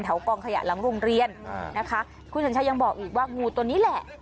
กองขยะหลังโรงเรียนนะคะคุณสัญชัยยังบอกอีกว่างูตัวนี้แหละ